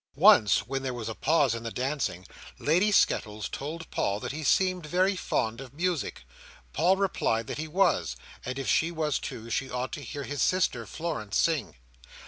Once, when there was a pause in the dancing, Lady Skettles told Paul that he seemed very fond of music. Paul replied, that he was; and if she was too, she ought to hear his sister, Florence, sing.